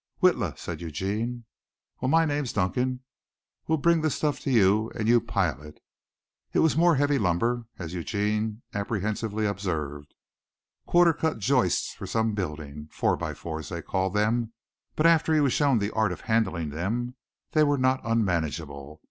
"Witla," said Eugene. "Well, my name's Duncan. We'll bring this stuff to you and you pile it." It was more heavy lumber, as Eugene apprehensively observed, quarter cut joists for some building "four by fours" they called them but after he was shown the art of handling them they were not unmanageable.